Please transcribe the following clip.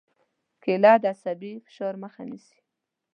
کېله د عصبي فشار مخه نیسي.